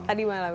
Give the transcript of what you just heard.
tadi malam ini